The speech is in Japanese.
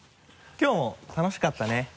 きょうも楽しかったね。